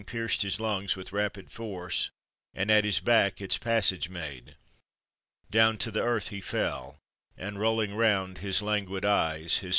pierced hi. lung. With rapid force, and at his back Its passage made. Down to the earth he fell And rolling round his languid eyes, hi. .